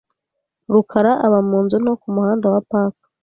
rukara aba mu nzu nto ku Muhanda wa Park .